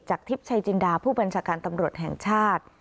ทริปชัยจินดาผู้บัญชาการตำรวจแห่งชาติ